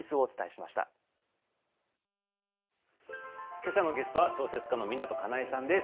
けさのゲストは小説家の湊かなえさんです。